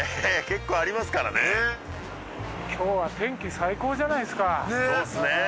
結構ありますからね今日は天気最高じゃないっすかねえ！